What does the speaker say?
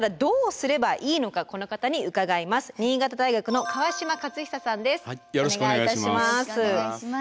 新潟大学の河島克久さんです。